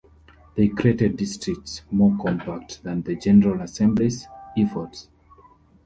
They created districts more compact than the General Assembly's efforts.